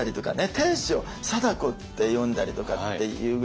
定子を「さだこ」って読んだりとかっていうぐらい。